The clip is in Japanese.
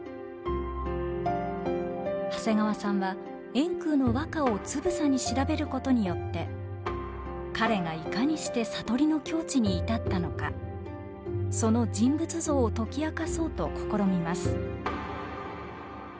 長谷川さんは円空の和歌をつぶさに調べることによって彼がいかにして悟りの境地に至ったのかその人物像を解き明かそうと試みます。